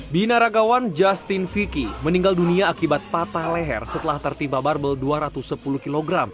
binaragawan justin fiki meninggal dunia akibat patah leher setelah tertimpa barbel dua ratus sepuluh kg